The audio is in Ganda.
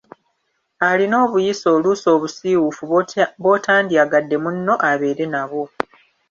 Alina obuyisa oluusi obusiwuufu bw’otandyagadde munno abeere nabwo.